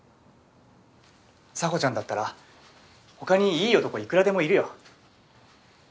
沙帆ちゃんだったらほかにいい男いくらでもいるよ。